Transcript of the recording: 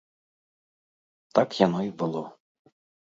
Так яно і было.